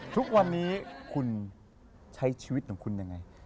ทุกวันนี้คุณใช้ชีวิตของคุณยังไง